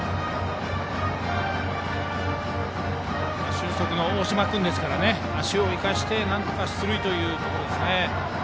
俊足の大島君ですから足を生かしてなんとか出塁というところですね。